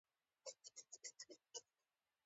د وفا خریداران دې بل خوا درومي.